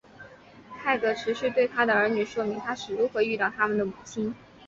泰德持续对他的儿女说明他是如何遇到他们的母亲。